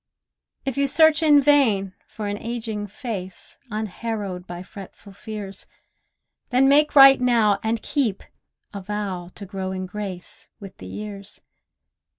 If you search in vain for an ageing face Unharrowed by fretful fears, Then make right now (and keep) a vow To grow in grace with the years.